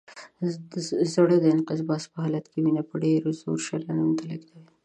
زړه د انقباض په حالت کې وینه په ډېر زور شریان ته لیږدوي.